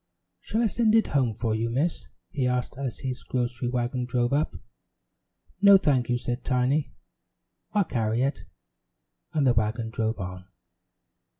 "Shall I send it home for you, Miss?" he asked as his grocery wagon drove up. "No, thank you," said Tiny, "I'll carry it," and the wagon drove on.